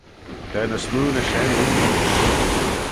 Ta ny smoo na shen ayn.